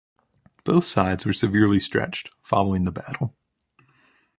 Both sides were severely stretched following the battle.